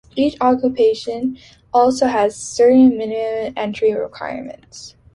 Each occupation also has certain minimum entry requirements.